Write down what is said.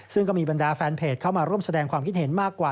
ซึ่งก็มีบรรดาแฟนเพจเข้ามาร่วมแสดงความคิดเห็นมากกว่า